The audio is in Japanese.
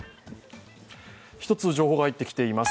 一つ情報が入ってきています。